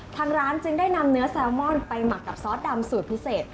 ทางร้านจึงได้นำเนื้อแซลมอนไปหมักกับซอสดำสูตรพิเศษ